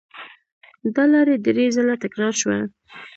دا لړۍ درې ځله تکرار شوه.